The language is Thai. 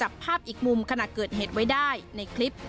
แล้วเราได้ลงมาดูกันครับว่าเกิดอะไรขึ้น